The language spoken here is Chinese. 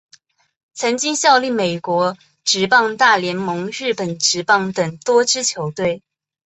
曾经效力美国职棒大联盟日本职棒等多支球队。